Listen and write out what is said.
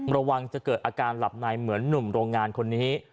ระวังจะเกิดอาการหลับในเหมือนหนุ่มโรงงานคนนี้